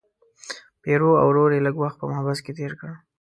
پیرو او ورور یې لږ وخت په محبس کې تیر کړ.